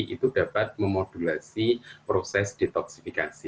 itu dapat memodulasi proses detoksifikasi